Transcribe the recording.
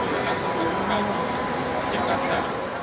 dengan sebuah kajian di jakarta